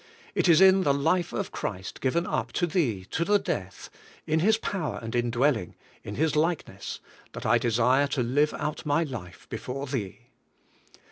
It is in the life of Christ given up to Thee to the death, in His power and indwell ing, in His likeness, that I desire to live out my life before Thee."